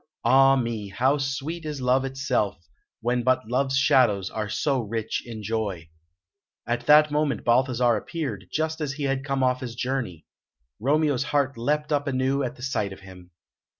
Ah me! how sweet is love itself, when but love's shadows are so rich in joy!" At that moment Balthasar appeared, just as he had come off his journey. Romeo's heart leapt up anew at the sight of him.